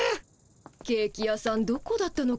ケーキ屋さんどこだったのかしらね。